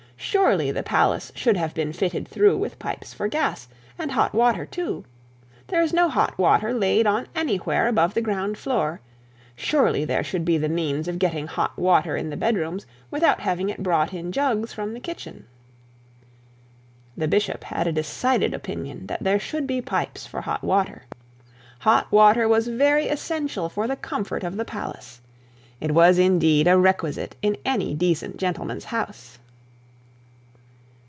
Surely the palace should have been fitted through with pipes for gas, and hot water too. There is no hot water laid on anywhere above the ground floor. Surely there should be the means of getting hot water in the bed rooms without having it brought in jugs from the kitchen.' The bishop had a decided opinion that there should be pipes for hot water. Hot water was very essential for the comfort of the palace. It was, indeed, a requisite in any decent gentleman's house.